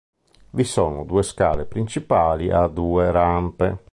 Vi sono due scale principali a due rampe.